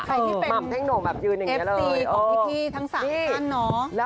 ใครที่เป็นเอฟซีของพี่ทั้ง๓ท่านเนาะ